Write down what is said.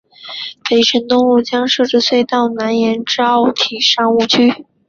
北辰东路将设置隧道南延至奥体商务区。